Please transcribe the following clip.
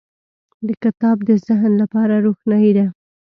• کتاب د ذهن لپاره روښنایي ده.